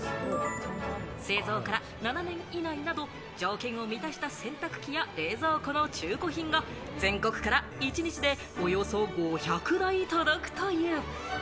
製造から７年以内など、条件を満たした洗濯機や冷蔵庫の中古品が全国から１日でおよそ５００台届くという。